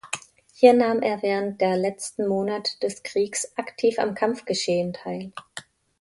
Hier nahm er während der letzten Monate des Kriegs aktiv am Kampfgeschehen teil.